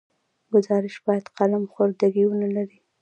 ګزارش باید قلم خوردګي ونه لري.